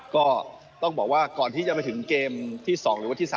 ก็ต้องบอกว่าก่อนที่จะไปถึงเกมที่๒หรือวันที่๓